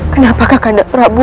kenapa kakak nak prabu